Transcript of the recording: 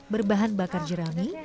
berbahan bakar jerami